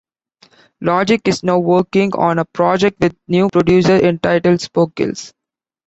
Logic is now working on a project with new producers entitled "Spork Kills".